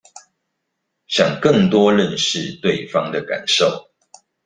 想更多認識對方的感受